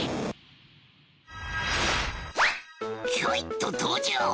ひょいっと登場！